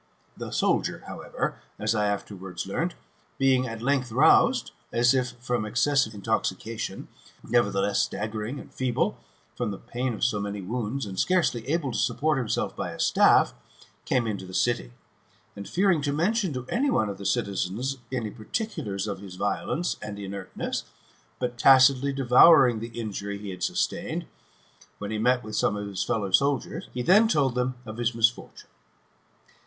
The soldier, however, as I afterwards learnt, being at length roused, as if from excessive intoxication, nevertheless staggering and feeble, from the pain of so many wounds, and scarcely able ' to support himself by a staff, came into the city ; and, fearing to mention to any one of the citizens any particulars of his violence and inertness, but tacitly devouring the injury hb had sustained, when he met with some of his fellow soldiers, he then told them of his misfortune.